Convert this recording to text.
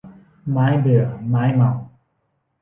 ไม้เบื่อไม้เมา